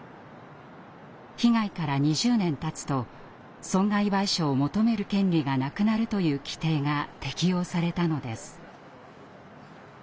被害から２０年たつと損害賠償を求める権利がなくなるという規定が適用されたのです。